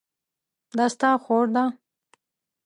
دا ستا خور ده؟